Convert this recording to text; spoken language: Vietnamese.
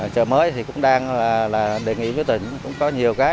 chợ mới cũng đang đề nghị với tỉnh cũng có nhiều cái